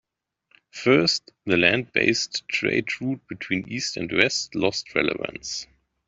First, the land based trade route between east and west lost relevance.